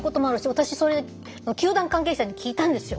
私それで球団関係者に聞いたんですよ。